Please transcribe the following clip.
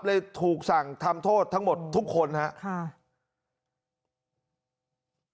เลยถูกสั่งทำโทษทั้งหมดทุกคนครับ